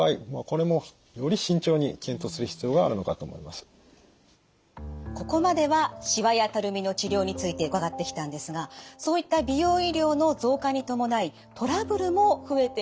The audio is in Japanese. ですのでここまではしわやたるみの治療について伺ってきたんですがそういった美容医療の増加に伴いトラブルも増えているんです。